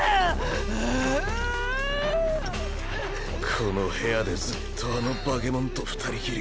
この部屋でずっとあの化け物と二人きり。